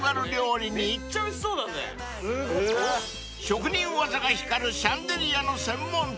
［職人技が光るシャンデリアの専門店］